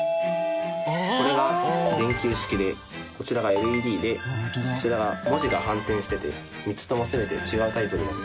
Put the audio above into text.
これが電球式でこちらがＬＥＤでこちらは文字が反転してて３つとも全て違うタイプになっています。